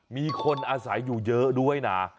มีคนอาศัยอยู่เยอะด้วยนะ